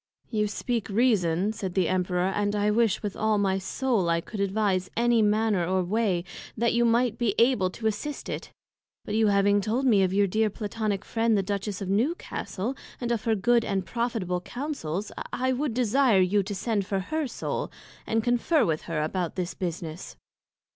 You speak Reason, said the Emperor, and I wish with all my Soul I could advise any manner or way, that you might be able to assist it; but you having told me of your dear Platonick Friend the Duchess of Newcastle and of her good and profitable Counsels, I would desire you to send for her Soul, and conferr with her about this business.